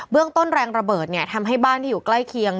เรื่องต้นแรงระเบิดทำให้บ้านที่อยู่ใกล้เคียง